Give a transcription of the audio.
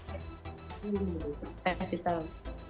hmm apa sih tau